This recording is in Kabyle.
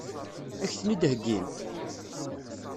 Ad k-ten-id-heggint?